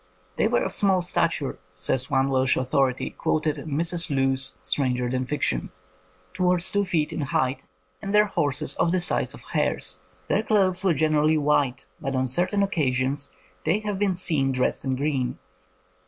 ''They were of small stature," says one Welsh authority, quoted in Mrs. Lewes 's Stranger than Fiction, "towards two feet in height, and their horses of the size of hares. Their clothes were generally white, but on certain occasions they have been seen dressed in green.